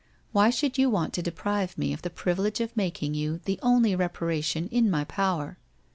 ' Why should you want to deprive me of the privilege of making you the only reparation in my power?